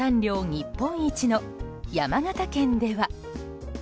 日本一の山形県では。